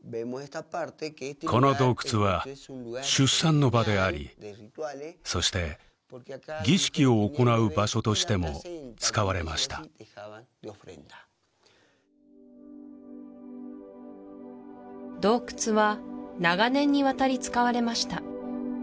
この洞窟は出産の場でありそして儀式を行う場所としても使われました洞窟は長年にわたり使われました